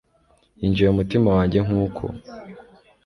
Yinjiye mu mutima wanjye nk'uko